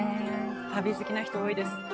旅好きな人多いです。